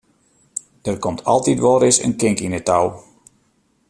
Der komt altyd wolris in kink yn 't tou.